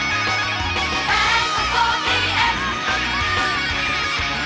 เราไปเที่ยวสุกแพงก่อนบ้างแล้ว